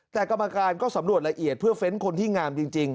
แต่กรรมการก็สำรวจละเอียดเพื่อเฟ้นคนที่งามจริง